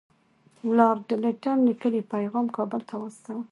لارډ لیټن لیکلی پیغام کابل ته واستاوه.